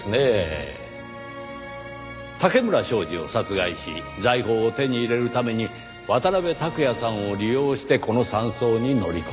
竹村彰二を殺害し財宝を手に入れるために渡辺拓也さんを利用してこの山荘に乗り込んだ。